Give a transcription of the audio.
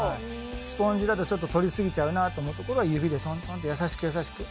スポンジだとちょっと取りすぎちゃうなと思うところは指でトントンと優しく優しく。